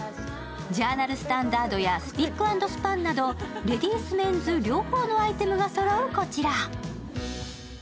ジャーナルスタンダードやスピック＆スパンなどレディース・メンズ両方のアイテムがそろうこちら。